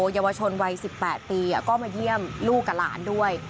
เยาวชนวัย๑๘ปีก็มาเยี่ยมลูกกับหลานด้วย